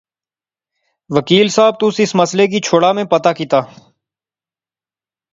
وکیل صاحب، تس اس مسئلے کی چھوڑا میں پتہ کیتا